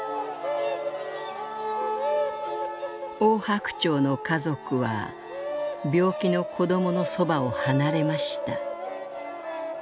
「オオハクチョウの家族は病気の子どものそばを離れました」。